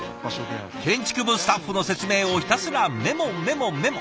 建築部スタッフの説明をひたすらメモメモメモ。